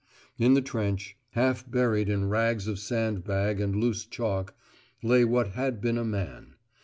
In the trench, half buried in rags of sand bag and loose chalk, lay what had been a man.